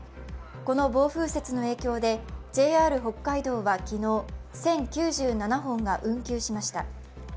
この暴風雪の影響でＪＲ北海道は昨日１０９７本が運休しました。